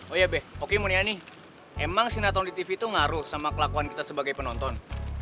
oh iya beh oke muniani emang sinatron di tv itu ngaruh sama kelakuan kita sebagai penonton